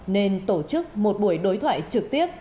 nên tổ chức một buổi đối thoại trực tiếp